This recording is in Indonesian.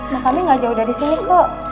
makannya gak jauh dari sini kok